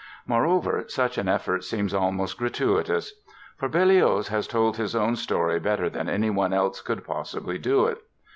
Moreover, such an effort seems almost gratuitous. For Berlioz has told his own story better than anyone else could possibly do it.